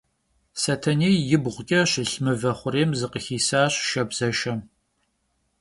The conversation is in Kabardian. Setenêy yibğuç'e şılh mıve xhurêym zıkhıxisaş şşabzeşşem.